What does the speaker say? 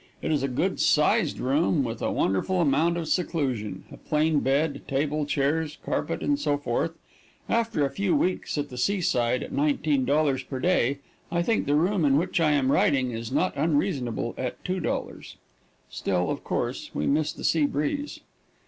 It is a good sized room, with a wonderful amount of seclusion, a plain bed, table, chairs, carpet and so forth. After a few weeks at the seaside, at $19 per day, I think the room in which I am writing is not unreasonable at $2. Still, of course, we miss the sea breeze.